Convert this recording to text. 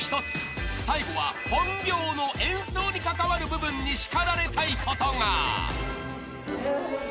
［最後は本業の演奏に関わる部分に叱られたいことが］